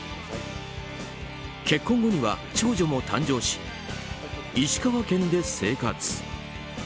結婚後には長女も誕生し石川県で生活。